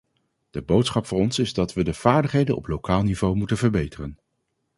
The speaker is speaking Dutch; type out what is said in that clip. De boodschap voor ons is dat we de vaardigheden op lokaal niveau moeten verbeteren.